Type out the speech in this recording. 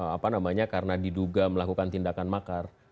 apa namanya karena diduga melakukan tindakan makar